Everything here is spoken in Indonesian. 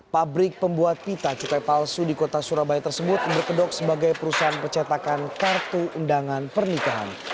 pabrik pembuat pita cukai palsu di kota surabaya tersebut berkedok sebagai perusahaan percetakan kartu undangan pernikahan